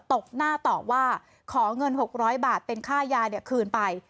ตกหน้าตอบว่าขอเงินหกร้อยบาทเป็นค่ายาเนี้ยคืนไป